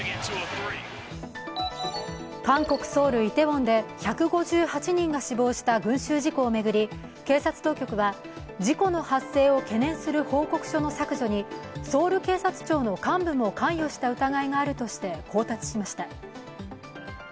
韓国・ソウルイテウォンで１５８人が死亡した群集事故を巡り、警察当局は事故の発生を懸念する報告書の削除にソウル警察庁の幹部も関与した疑いがあるとして更迭しました。